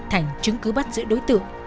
thành chứng cứ bắt giữ đối tượng